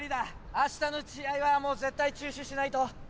明日の試合はもう絶対中止しないと。